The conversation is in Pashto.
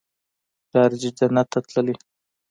پلار دې جنت ته تللى.